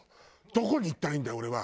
どこに行ったらいいんだよ俺は。